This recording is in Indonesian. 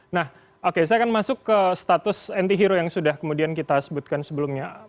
nah oke saya akan masuk ke status anti hero yang sudah kemudian kita sebutkan sebelumnya